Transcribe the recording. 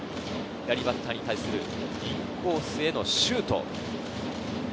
「左バッターに対するインコースへのシュート」。